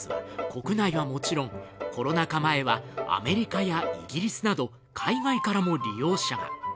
国内はもちろんコロナ禍前はアメリカやイギリスなど海外からも利用者が。